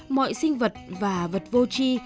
mọi sinh vật và vật vô tri